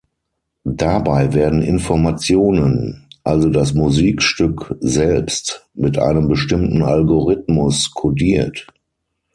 Dabei werden Informationen, also das Musikstück selbst, mit einem bestimmten Algorithmus kodiert.